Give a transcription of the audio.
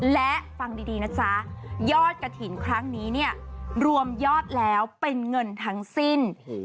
และฟังดีนะจ๊ะยอดกระถิ่นครั้งนี้เนี่ยรวมยอดแล้วเป็นเงินทั้งสิ้น